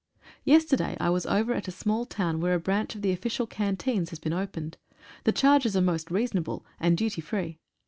Yesterday I was over at a small town where a branch of the official canteens has been opened. The charges are most reasonable, and duty free.